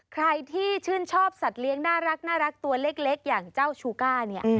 ใครที่ชื่นชอบสัตว์เลี้ยงน่ารักตัวเล็กอย่างเจ้าชูก้าเนี่ย